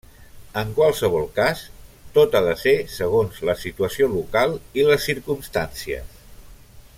En qualsevol cas, tot ha de ser segons la situació local i les circumstàncies.